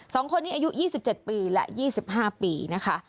สองคนนี้อายุยี่สิบเจ็ดปีและยี่สิบห้าปีนะคะ